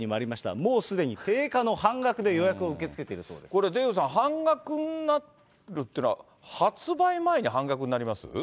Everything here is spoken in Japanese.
もうすでに定価の半額で予約を受これ、デーブさん、半額になるというのは、発売前に半額になります？